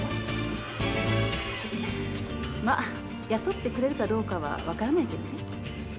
まあ雇ってくれるかどうかは分からないけどね。